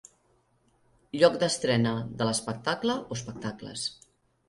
Lloc d'estrena de l'espectacle o espectacles.